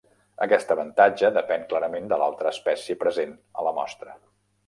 Aquest avantatge depèn clarament de l'altra espècie present a la mostra.